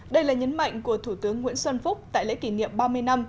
đây là nhấn mạnh của thủ tướng nguyễn xuân phúc tại lễ kỷ niệm ba mươi năm